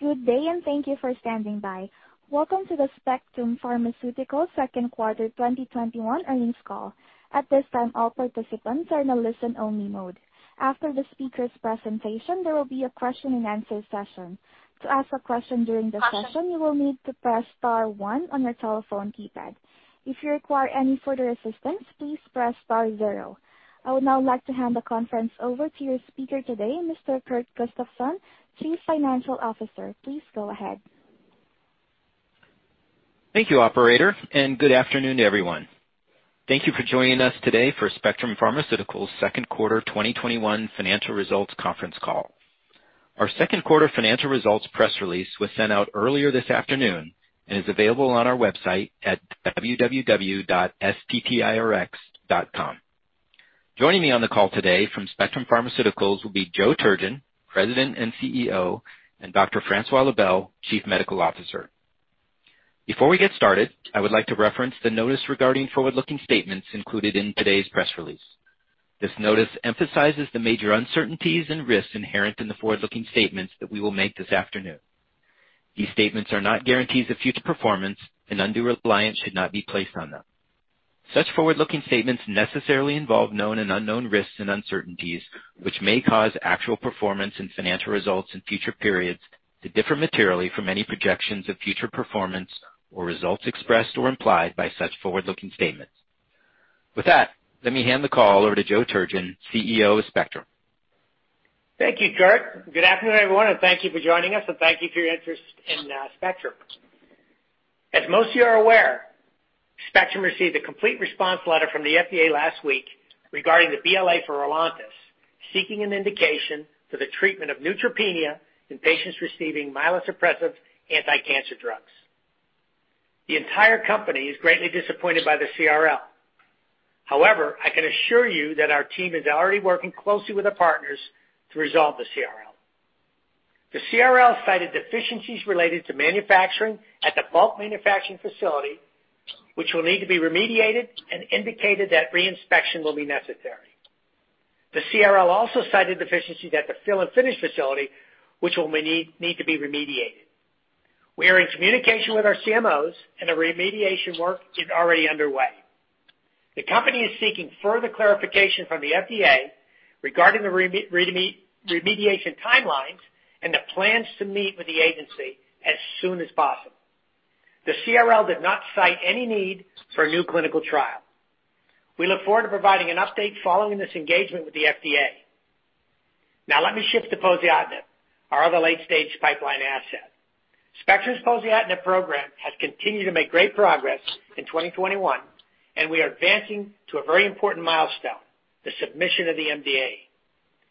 Good day, and thank you for standing by. Welcome to the Spectrum Pharmaceuticals second quarter 2021 earnings call. At this time, all participants are in a listen-only mode. After the speaker's presentation, there will be a question and answer session. To ask a question during the session, you will need to press star one on your telephone keypad. If you require any further assistance, please press star zero. I would now like to hand the conference over to your speaker today, Mr. Kurt Gustafson, Chief Financial Officer. Please go ahead. Thank you, operator, good afternoon to everyone. Thank you for joining us today for Spectrum Pharmaceuticals' second quarter 2021 financial results conference call. Our second quarter financial results press release was sent out earlier this afternoon and is available on our website at www.sppirx.com. Joining me on the call today from Spectrum Pharmaceuticals will be Joe Turgeon, President and CEO, and Dr. Francois Lebel, Chief Medical Officer. Before we get started, I would like to reference the notice regarding forward-looking statements included in today's press release. This notice emphasizes the major uncertainties and risks inherent in the forward-looking statements that we will make this afternoon. These statements are not guarantees of future performance, and undue reliance should not be placed on them. Such forward-looking statements necessarily involve known and unknown risks and uncertainties, which may cause actual performance and financial results in future periods to differ materially from any projections of future performance or results expressed or implied by such forward-looking statements. With that, let me hand the call over to Joe Turgeon, CEO of Spectrum. Thank you, Kurt. Good afternoon, everyone, and thank you for joining us, and thank you for your interest in Spectrum. As most of you are aware, Spectrum received a complete response letter from the FDA last week regarding the BLA for ROLONTIS, seeking an indication for the treatment of neutropenia in patients receiving myelosuppressive anti-cancer drugs. The entire company is greatly disappointed by the CRL. However, I can assure you that our team is already working closely with our partners to resolve the CRL. The CRL cited deficiencies related to manufacturing at the bulk manufacturing facility, which will need to be remediated and indicated that re-inspection will be necessary. The CRL also cited deficiencies at the fill-and-finish facility, which will need to be remediated. We are in communication with our CMOs, and the remediation work is already underway. The company is seeking further clarification from the FDA regarding the remediation timelines and the plans to meet with the agency as soon as possible. The CRL did not cite any need for a new clinical trial. We look forward to providing an update following this engagement with the FDA. Let me shift to poziotinib, our other late-stage pipeline asset. Spectrum's poziotinib program has continued to make great progress in 2021, and we are advancing to a very important milestone, the submission of the NDA.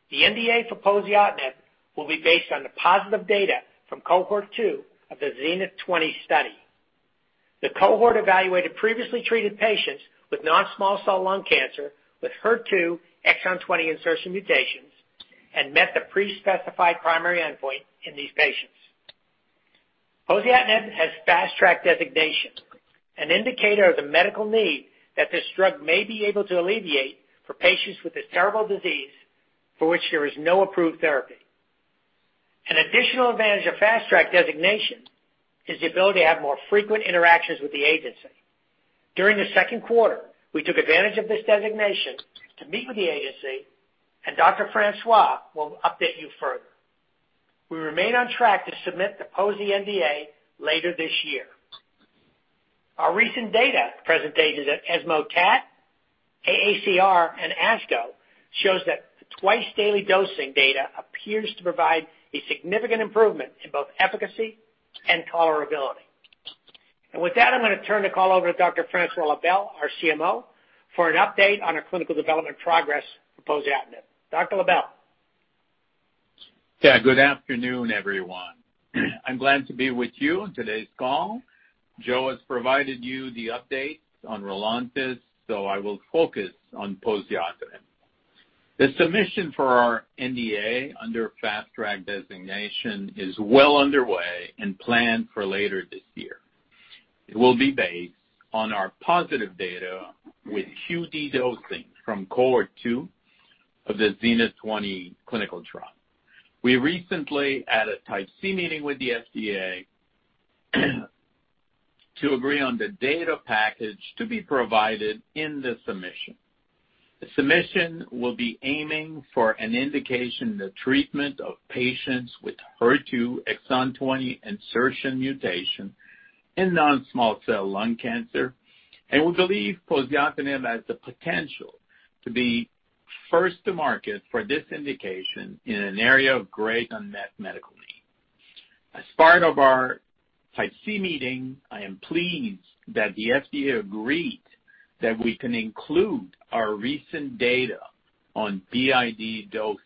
The NDA for poziotinib will be based on the positive data from cohort 2 of the ZENITH20 study. The cohort evaluated previously treated patients with non-small cell lung cancer with HER2 exon 20 insertion mutations and met the pre-specified primary endpoint in these patients. Poziotinib has Fast Track designation, an indicator of the medical need that this drug may be able to alleviate for patients with this terrible disease for which there is no approved therapy. An additional advantage of Fast Track designation is the ability to have more frequent interactions with the agency. During the second quarter, we took advantage of this designation to meet with the agency, and Dr. Francois will update you further. We remain on track to submit the pozi NDA later this year. Our recent data presentations at ESMO TAT, AACR, and ASCO shows that the twice-daily dosing data appears to provide a significant improvement in both efficacy and tolerability. With that, I'm going to turn the call over to Dr. Francois Lebel, our CMO, for an update on our clinical development progress for poziotinib. Dr. Lebel. Good afternoon, everyone. I'm glad to be with you on today's call. Joe has provided you the update on ROLONTIS, so I will focus on poziotinib. The submission for our NDA under Fast Track designation is well underway and planned for later this year. It will be based on our positive data with QD dosing from cohort 2 of the ZENITH20 clinical trial. We recently had a Type C meeting with the FDA to agree on the data package to be provided in the submission. The submission will be aiming for an indication in the treatment of patients with HER2 exon 20 insertion mutation in non-small cell lung cancer, and we believe poziotinib has the potential to be first to market for this indication in an area of great unmet medical need. As part of our Type C meeting, I am pleased that the FDA agreed that we can include our recent data on BID dosing.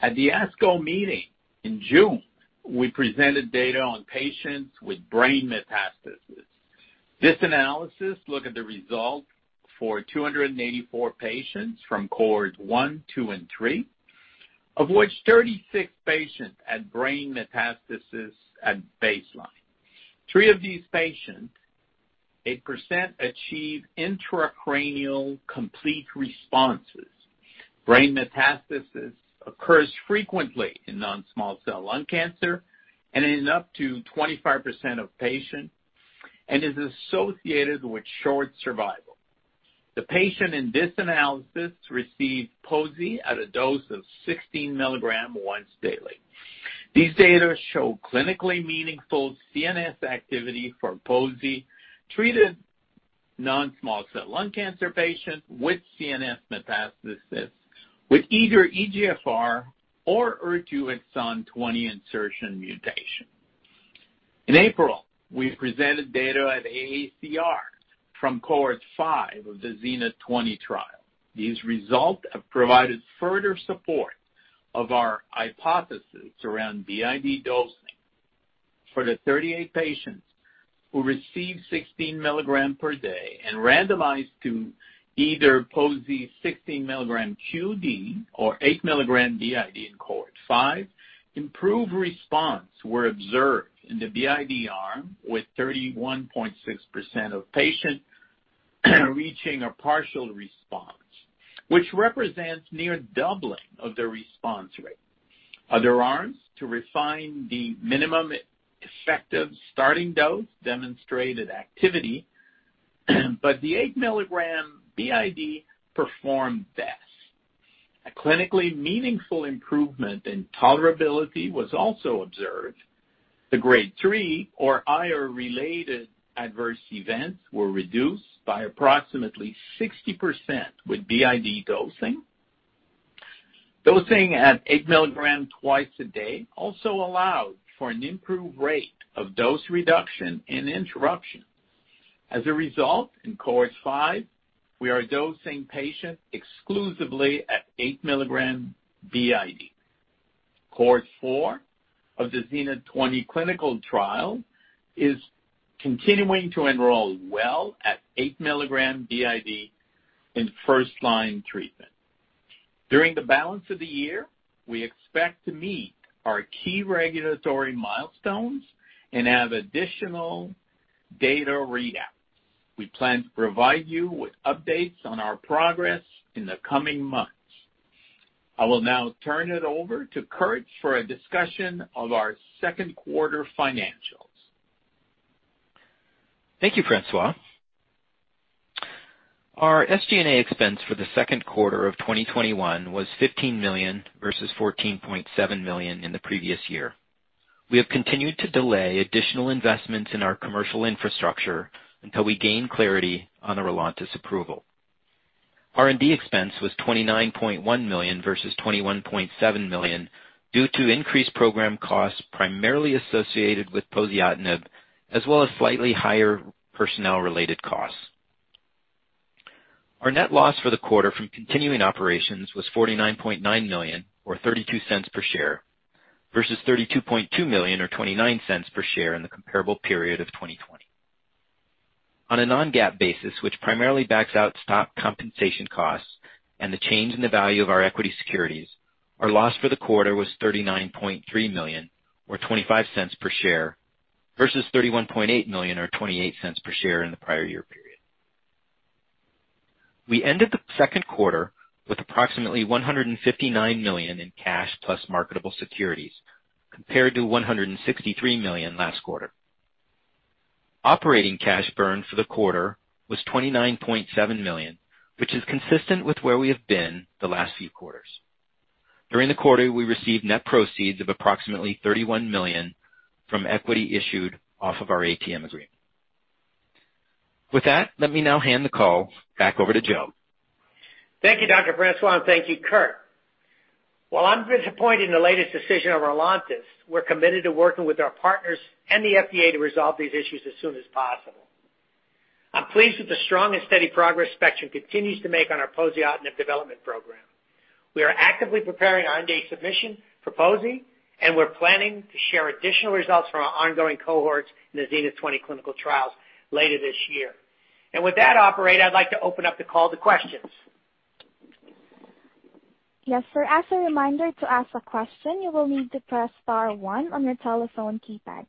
At the ASCO meeting in June, we presented data on patients with brain metastasis. This analysis looked at the results for 284 patients from cohort 1, 2, and 3, of which 36 patients had brain metastasis at baseline. Three of these patients, 8% achieve intracranial complete responses. Brain metastasis occurs frequently in non-small cell lung cancer and in up to 25% of patients, and is associated with short survival. The patient in this analysis received poziotinib at a dose of 16 mg once daily. These data show clinically meaningful CNS activity for poziotinib, treated non-small cell lung cancer patients with CNS metastasis with either EGFR or HER2 exon 20 insertion mutation. In April, we presented data at AACR from cohort 5 of the ZENITH20 trial. These results have provided further support of our hypothesis around BID dosing. For the 38 patients who received 16 mg per day and randomized to either pozi 16 mg QD or 8 mg BID in cohort 5, improved response were observed in the BID arm with 31.6% of patients reaching a partial response, which represents near doubling of the response rate. Other arms to refine the minimum effective starting dose demonstrated activity, but the 8 mg BID performed best. A clinically meaningful improvement in tolerability was also observed. The grade 3 or higher related adverse events were reduced by approximately 60% with BID dosing. Dosing at 8 mg twice a day also allowed for an improved rate of dose reduction and interruption. As a result, in cohort 5, we are dosing patients exclusively at 8 mg BID. Cohort 4 of the ZENITH20 clinical trial is continuing to enroll well at 8 mg BID in first-line treatment. During the balance of the year, we expect to meet our key regulatory milestones and have additional data readouts. We plan to provide you with updates on our progress in the coming months. I will now turn it over to Kurt for a discussion of our second quarter financials. Thank you, Francois. Our SG&A expense for the second quarter of 2021 was $15 million versus $14.7 million in the previous year. We have continued to delay additional investments in our commercial infrastructure until we gain clarity on the ROLONTIS approval. R&D expense was $29.1 million versus $21.7 million due to increased program costs, primarily associated with poziotinib, as well as slightly higher personnel-related costs. Our net loss for the quarter from continuing operations was $49.9 million, or $0.32 per share, versus $32.2 million or $0.29 per share in the comparable period of 2020. On a non-GAAP basis, which primarily backs out stock compensation costs and the change in the value of our equity securities, our loss for the quarter was $39.3 million or $0.25 per share, versus $31.8 million or $0.28 per share in the prior year period. We ended the second quarter with approximately $159 million in cash plus marketable securities, compared to $163 million last quarter. Operating cash burn for the quarter was $29.7 million, which is consistent with where we have been the last few quarters. During the quarter, we received net proceeds of approximately $31 million from equity issued off of our ATM agreement. With that, let me now hand the call back over to Joe. Thank you, Dr. Francois, and thank you, Kurt. While I'm disappointed in the latest decision on ROLONTIS, we're committed to working with our partners and the FDA to resolve these issues as soon as possible. I'm pleased with the strong and steady progress Spectrum continues to make on our poziotinib development program. We are actively preparing our NDA submission for pozi, and we're planning to share additional results from our ongoing cohorts in the ZENITH20 clinical trials later this year. With that operator, I'd like to open up the call to questions. Yes, sir. As a reminder to ask a question, you will need to press star one on your telephone keypad.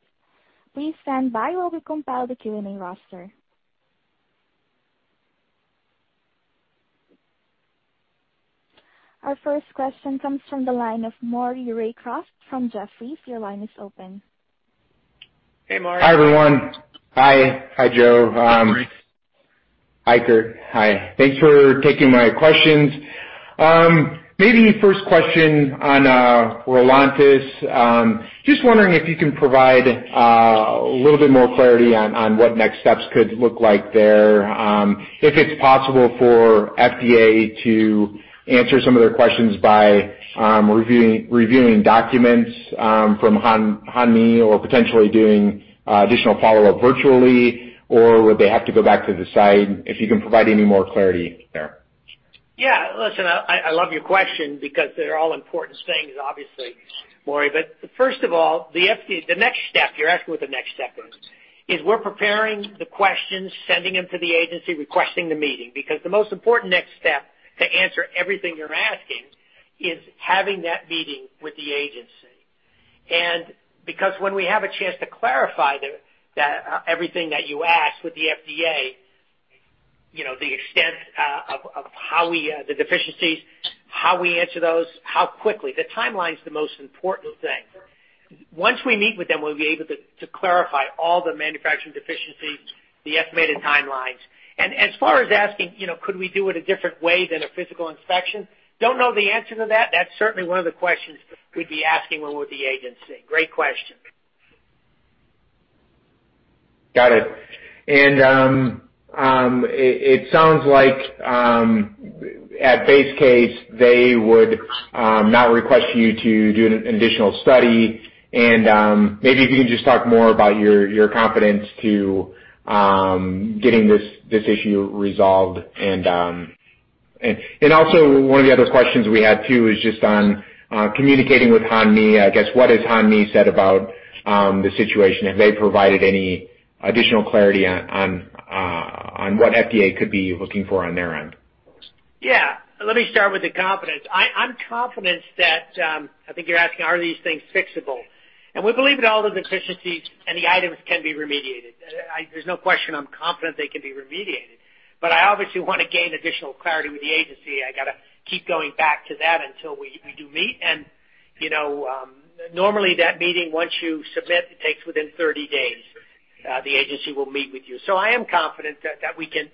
Please stand by while we compile the Q&A roster. Our first question comes from the line of Maury Raycroft from Jefferies. Your line is open. Hey, Maury. Hi, everyone. Hi, Joe. Hi, Maury. Hi, Kurt. Hi. Thanks for taking my questions. Maybe first question on ROLONTIS. Just wondering if you can provide a little bit more clarity on what next steps could look like there, if it's possible for FDA to answer some of their questions by reviewing documents from Hanmi or potentially doing additional follow-up virtually, or would they have to go back to the site? If you can provide any more clarity there. Yeah, listen, I love your question because they're all important things, obviously, Maury. First of all, the next step, you're asking what the next step is we're preparing the questions, sending them to the agency, requesting the meeting, because the most important next step to answer everything you're asking is having that meeting with the agency. Because when we have a chance to clarify everything that you asked with the FDA, the extent of the deficiencies, how we answer those, how quickly, the timeline's the most important thing. Once we meet with them, we'll be able to clarify all the manufacturing deficiencies, the estimated timelines. As far as asking, could we do it a different way than a physical inspection, don't know the answer to that. That's certainly one of the questions we'd be asking when with the agency. Great question. It sounds like at base case, they would not request you to do an additional study and maybe if you can just talk more about your confidence to getting this issue resolved and also one of the other questions we had too is just on communicating with Hanmi. I guess, what has Hanmi said about the situation? Have they provided any additional clarity on what FDA could be looking for on their end? Yeah. Let me start with the confidence. I'm confident that, I think you're asking are these things fixable? We believe that all those deficiencies and the items can be remediated. There's no question I'm confident they can be remediated, but I obviously want to gain additional clarity with the agency. I got to keep going back to them until we do meet and normally that meeting, once you submit, it takes within 30 days the agency will meet with you. I am confident that we can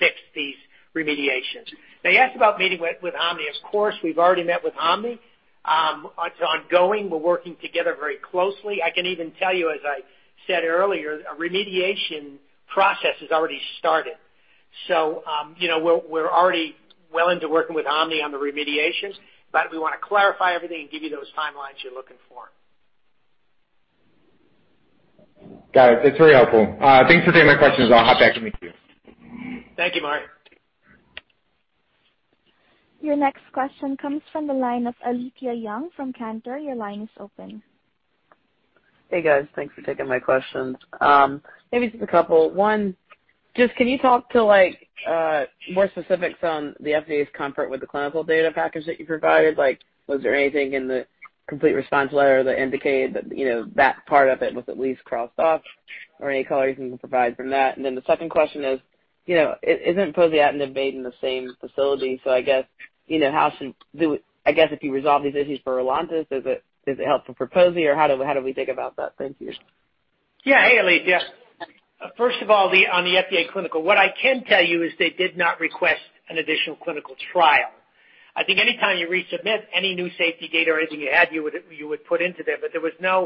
fix these remediations. Now you asked about meeting with Hanmi. Of course, we've already met with Hanmi. It's ongoing. We're working together very closely. I can even tell you, as I said earlier, a remediation process has already started. We're already well into working with Hanmi on the remediations, but we want to clarify everything and give you those timelines you're looking for. Got it. That's very helpful. Thanks for taking my questions. I'll hop back and meet you. Thank you, Maury. Your next question comes from the line of Alethia Young from Cantor. Your line is open. Hey, guys. Thanks for taking my questions. Maybe just a couple. One, just can you talk to more specifics on the FDA's comfort with the clinical data package that you provided? Was there anything in the complete response letter that indicated that part of it was at least crossed off or any color you can provide from that? The second question is, isn't poziotinib made in the same facility? I guess if you resolve these issues for ROLONTIS, does it help for pozi or how do we think about that? Thank you. Yeah. Hey, Alethia. First of all, on the FDA clinical, what I can tell you is they did not request an additional clinical trial. I think anytime you resubmit any new safety data or anything you had, you would put into there. The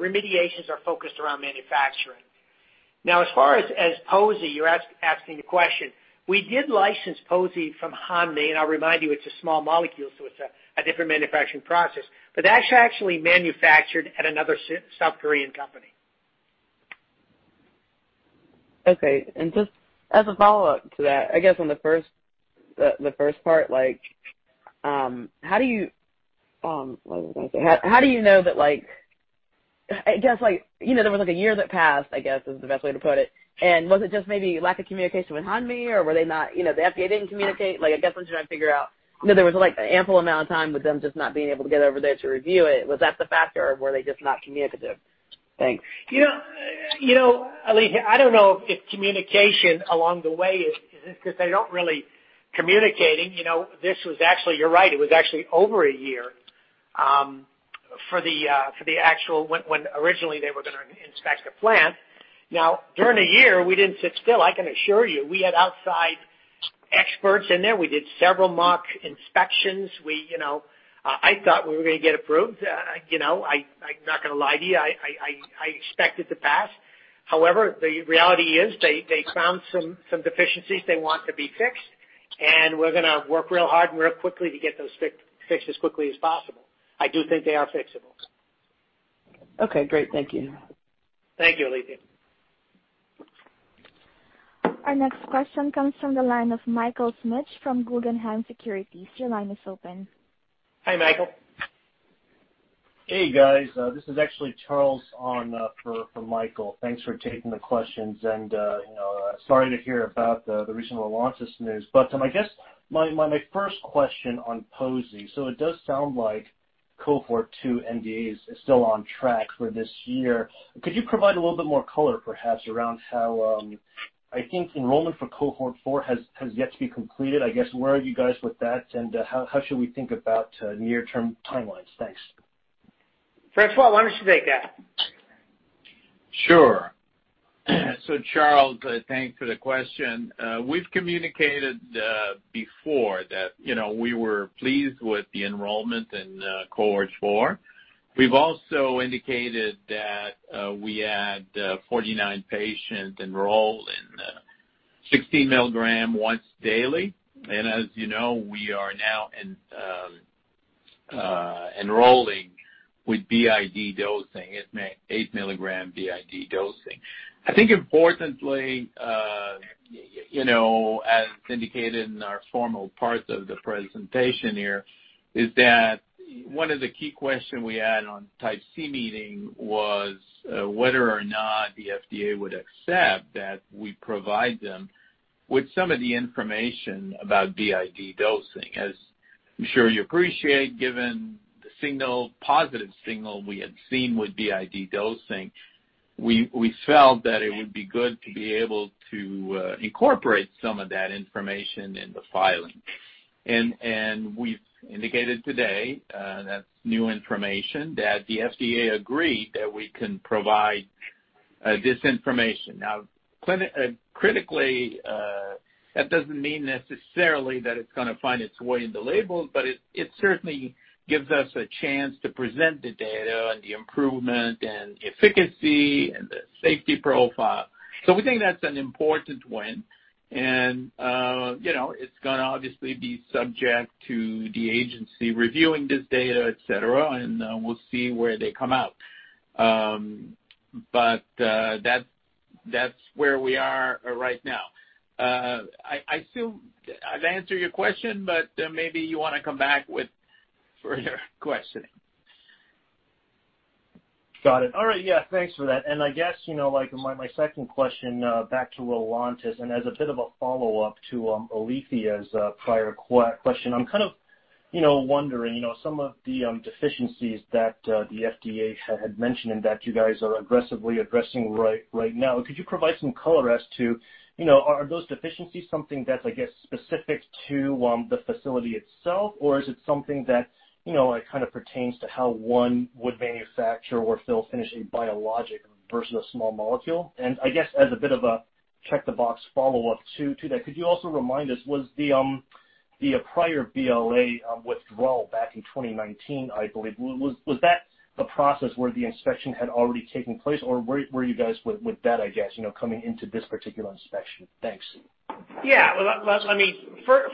remediations are focused around manufacturing. As far as pozi, you're asking a question. We did license pozi from Hanmi, and I'll remind you, it's a small molecule, so it's a different manufacturing process. That's actually manufactured at another South Korean company. Okay. Just as a follow-up to that, I guess on the first part, how do you know that there was a year that passed, I guess, is the best way to put it, and was it just maybe lack of communication with Hanmi, or the FDA didn't communicate? I guess I'm trying to figure out there was an ample amount of time with them just not being able to get over there to review it. Was that the factor, or were they just not communicative? Thanks. Alethia, I don't know if communication along the way is, because they don't really communicating. You're right, it was actually over 1 year for when originally they were going to inspect the plant. During the year, we didn't sit still, I can assure you. We had outside experts in there. We did several mock inspections. I thought we were going to get approved. I'm not going to lie to you, I expected to pass. However, the reality is they found some deficiencies they want to be fixed, and we're going to work real hard and real quickly to get those fixed as quickly as possible. I do think they are fixable. Okay, great. Thank you. Thank you, Alethia. Our next question comes from the line of Michael Schmidt from Guggenheim Securities. Your line is open. Hey, Michael. Hey, guys. This is actually Charles on for Michael. Thanks for taking the questions and sorry to hear about the recent ROLONTIS news. I guess my first question on pozi, it does sound like cohort 2 NDA is still on track for this year. Could you provide a little bit more color perhaps around how, I think enrollment for cohort 4 has yet to be completed, I guess where are you guys with that and how should we think about near term timelines? Thanks. Francois, why don't you take that? Sure. Charles, thanks for the question. We've communicated before that we were pleased with the enrollment in cohort 4. We've also indicated that we had 49 patients enrolled in 60 mg once daily. As you know, we are now enrolling with BID dosing, 8 mg BID dosing. I think importantly, as indicated in our formal parts of the presentation here, is that. One of the key questions we had on Type C meeting was whether or not the FDA would accept that we provide them with some of the information about BID dosing. As I'm sure you appreciate, given the positive signal we had seen with BID dosing, we felt that it would be good to be able to incorporate some of that information in the filing. We've indicated today, that's new information, that the FDA agreed that we can provide this information. Critically, that doesn't mean necessarily that it's going to find its way in the label, but it certainly gives us a chance to present the data and the improvement and the efficacy and the safety profile. We think that's an important win, and it's going to obviously be subject to the agency reviewing this data, et cetera, and we'll see where they come out. That's where we are right now. I assume I've answered your question, but maybe you want to come back with further questioning. Got it. All right. Yeah, thanks for that. I guess, my second question back to ROLONTIS, and as a bit of a follow-up to Alethia's prior question, I'm kind of wondering, some of the deficiencies that the FDA had mentioned and that you guys are aggressively addressing right now, could you provide some color as to, are those deficiencies something that's, I guess, specific to the facility itself, or is it something that, it kind of pertains to how one would manufacture or fill finish a biologic versus a small molecule? I guess as a bit of a check the box follow-up to that, could you also remind us, was the prior BLA withdrawal back in 2019, I believe? Was that a process where the inspection had already taken place, or were you guys with that, I guess, coming into this particular inspection? Thanks. Yeah. Well,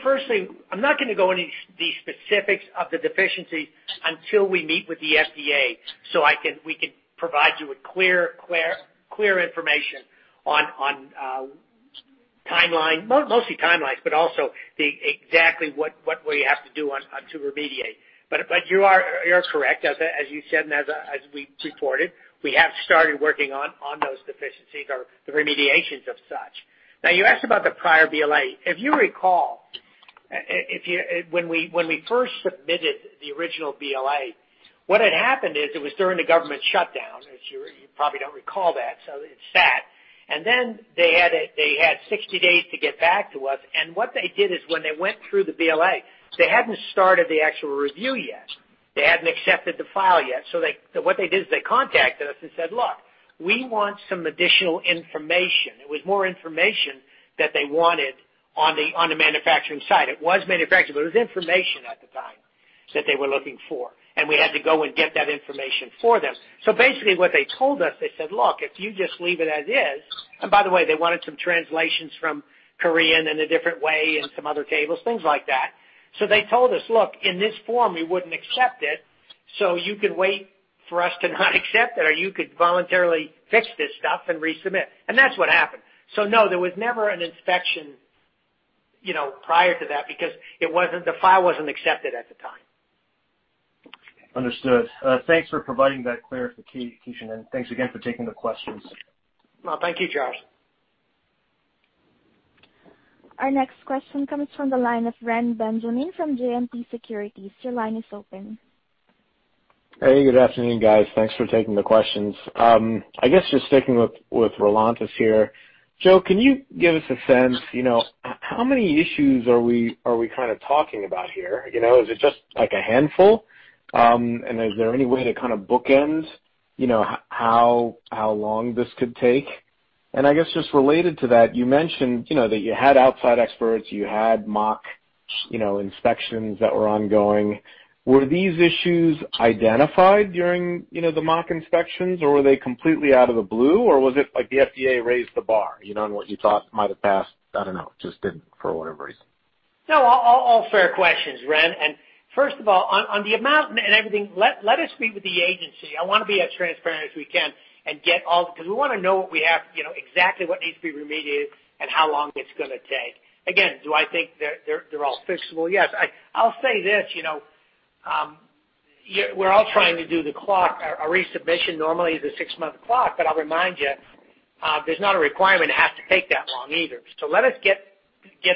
firstly, I'm not going to go into the specifics of the deficiency until we meet with the FDA so we could provide you with clear information on mostly timelines, but also exactly what we have to do to remediate. You're correct, as you said, and as we reported, we have started working on those deficiencies or the remediations of such. You asked about the prior BLA. If you recall, when we first submitted the original BLA, what had happened is it was during the government shutdown, as you probably don't recall that, so it sat. They had 60 days to get back to us, and what they did is when they went through the BLA, they hadn't started the actual review yet. They hadn't accepted the file yet. What they did is they contacted us and said, "Look, we want some additional information." It was more information that they wanted on the manufacturing side. It was manufactured, but it was information at the time that they were looking for, and we had to go and get that information for them. Basically what they told us, they said, "Look, if you just leave it as is" And by the way, they wanted some translations from Korean in a different way and some other tables, things like that. They told us, "Look, in this form, we wouldn't accept it, so you could wait for us to not accept it, or you could voluntarily fix this stuff and resubmit." That's what happened. No, there was never an inspection prior to that because the file wasn't accepted at the time. Understood. Thanks for providing that clarification, and thanks again for taking the questions. Well, thank you, Charles. Our next question comes from the line of Reni Benjamin from JMP Securities. Your line is open. Hey, good afternoon, guys. Thanks for taking the questions. I guess just sticking with ROLONTIS here. Joe, can you give us a sense, how many issues are we kind of talking about here? Is it just like a handful? Is there any way to kind of bookend how long this could take? I guess just related to that, you mentioned that you had outside experts, you had mock inspections that were ongoing. Were these issues identified during the mock inspections, or were they completely out of the blue? Was it like the FDA raised the bar, and what you thought might have passed, I don't know, just didn't for whatever reason? No, all fair questions, Reni. First of all, on the amount and everything, let us meet with the agency. I want to be as transparent as we can and get all, because we want to know exactly what needs to be remediated and how long it's going to take. Again, do I think they're all fixable? Yes. I'll say this, we're all trying to do the clock. A resubmission normally is a six-month clock, but I'll remind you, there's not a requirement it has to take that long either. Let us get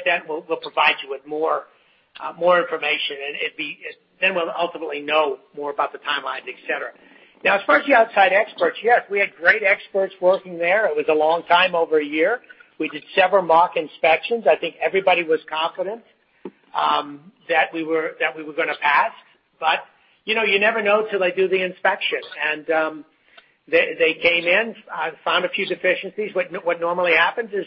that, and we'll provide you with more information, and then we'll ultimately know more about the timelines, et cetera. Now, as far as the outside experts, yes, we had great experts working there. It was a long time, over a year. We did several mock inspections. I think everybody was confident that we were going to pass. You never know till they do the inspection. They came in, found a few deficiencies. What normally happens is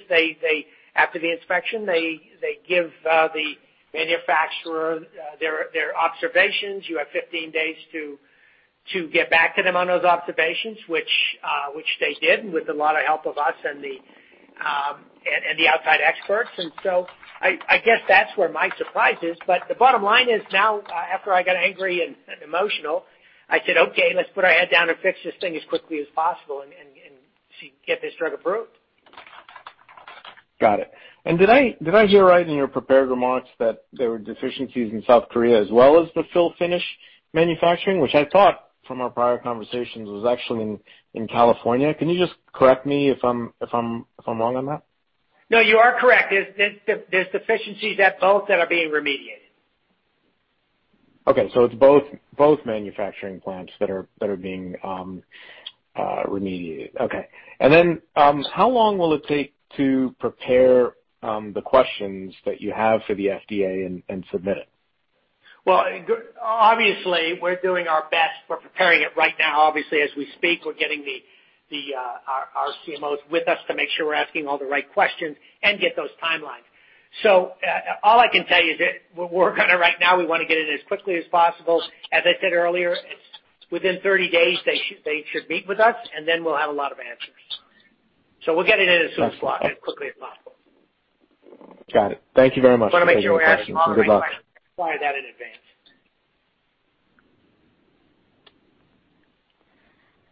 after the inspection, they give the manufacturer their observations. You have 15 days to get back to them on those observations, which they did with a lot of help of us and the outside experts. I guess that's where my surprise is. The bottom line is now, after I got angry and emotional, I said, "Okay, let's put our head down and fix this thing as quickly as possible and get this drug approved. Got it. Did I hear right in your prepared remarks that there were deficiencies in South Korea as well as the fill-finish manufacturing, which I thought from our prior conversations was actually in California? Can you just correct me if I'm wrong on that? No, you are correct. There's deficiencies at both that are being remediated. Okay. It's both manufacturing plants that are being remediated. Okay. How long will it take to prepare the questions that you have for the FDA and submit it? Well, obviously, we're doing our best. We're preparing it right now. Obviously, as we speak, we're getting our CMOs with us to make sure we're asking all the right questions and get those timelines. All I can tell you is that we're working on it right now. We want to get it as quickly as possible. As I said earlier, within 30 days, they should meet with us, and then we'll have a lot of answers. We'll get it in as soon as possible, as quickly as possible. Got it. Thank you very much for taking my questions, and good luck. Want to make sure we ask the right questions. Wanted that in advance.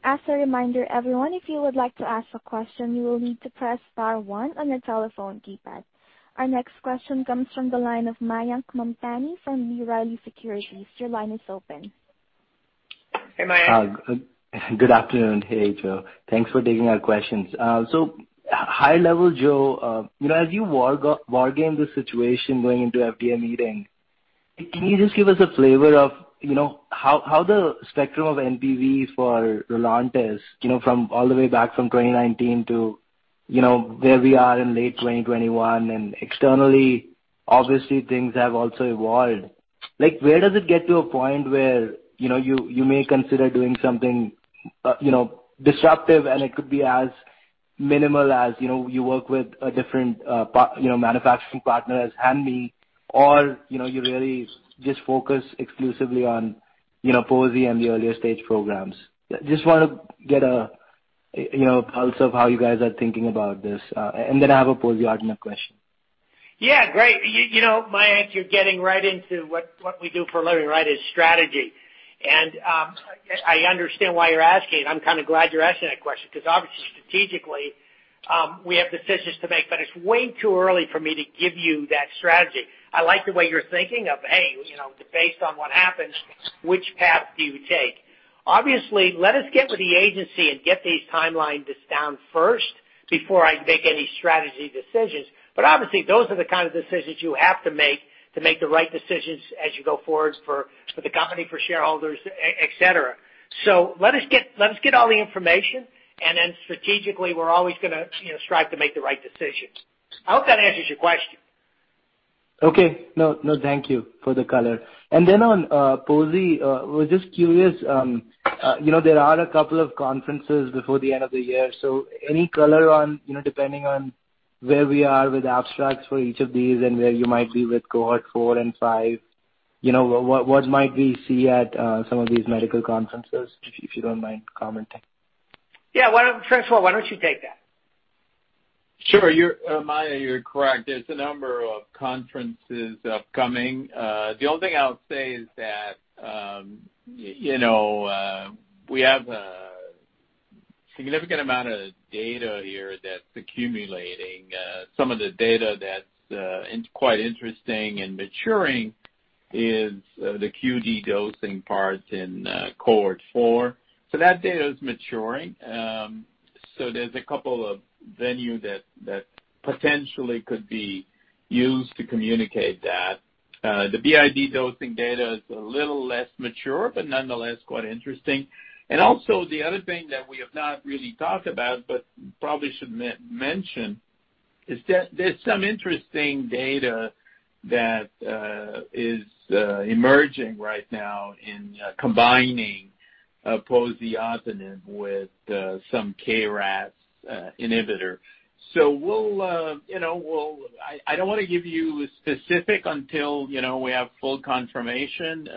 As a reminder, everyone, if you would like to ask a question, you will need to press star one on your telephone keypad. Our next question comes from the line of Mayank Mamtani from B. Riley Securities. Your line is open. Hey, Mayank. Good afternoon. Hey, Joe. Thanks for taking our questions. High level, Joe, as you war game the situation going into FDA meeting, can you just give us a flavor of how the spectrum of NPVs for ROLONTIS from all the way back from 2019 to where we are in late 2021. Externally, obviously, things have also evolved. Where does it get to a point where you may consider doing something disruptive, and it could be as minimal as you work with a different manufacturing partner as Hanmi, or you really just focus exclusively on pozi and the earlier stage programs. I just want to get a pulse of how you guys are thinking about this. Then I have a poziotinib question. Yeah. Great. Mayank, you're getting right into what we do for a living. Strategy. I understand why you're asking. I'm kind of glad you're asking that question because obviously, strategically, we have decisions to make, but it's way too early for me to give you that strategy. I like the way you're thinking of, hey, based on what happens, which path do you take? Obviously, let us get with the agency and get these timelines down first before I make any strategy decisions. Obviously, those are the kind of decisions you have to make to make the right decisions as you go forward for the company, for shareholders, et cetera. Let us get all the information, and then strategically, we're always going to strive to make the right decisions. I hope that answers your question. Okay. No, thank you for the color. On pozi, I was just curious. There are a couple of conferences before the end of the year, any color on depending on where we are with abstracts for each of these and where you might be with cohort 4 and 5, what might we see at some of these medical conferences, if you don't mind commenting? Yeah. Francois, why don't you take that? Sure. Mayank, you're correct. There's a number of conferences upcoming. The only thing I'll say is that we have a significant amount of data here that's accumulating. Some of the data that's quite interesting and maturing is the QD dosing parts in cohort 4. That data is maturing. There's a couple of venue that potentially could be used to communicate that. The BID dosing data is a little less mature, but nonetheless quite interesting. The other thing that we have not really talked about but probably should mention is that there's some interesting data that is emerging right now in combining poziotinib with some KRAS inhibitor. I don't want to give you a specific until we have full confirmation.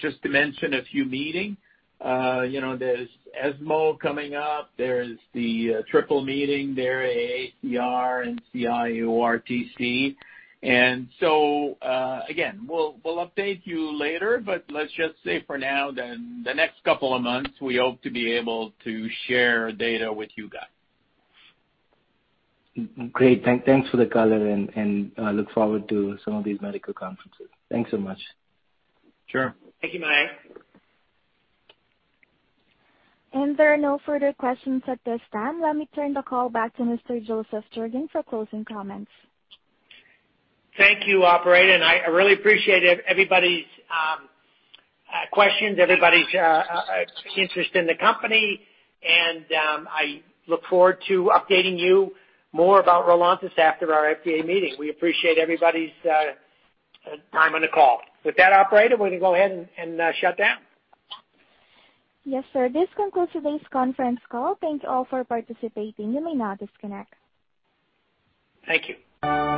Just to mention a few meetings, there's ESMO coming up, there's the Triple Meeting, there AACR and EORTC. Again, we'll update you later, but let's just say for now, then the next couple of months, we hope to be able to share data with you guys. Great. Thanks for the color, and I look forward to some of these medical conferences. Thanks so much. Sure. Thank you, Mayank. There are no further questions at this time. Let me turn the call back to Mr. Joseph Turgeon for closing comments. Thank you, operator, and I really appreciate everybody's questions, everybody's interest in the company, and I look forward to updating you more about ROLONTIS after our FDA meeting. We appreciate everybody's time on the call. With that, operator, we can go ahead and shut down. Yes, sir. This concludes today's conference call. Thank you all for participating. You may now disconnect. Thank you.